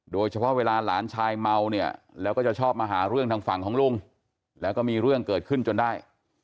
เวลาหลานชายเมาเนี่ยแล้วก็จะชอบมาหาเรื่องทางฝั่งของลุงแล้วก็มีเรื่องเกิดขึ้นจนได้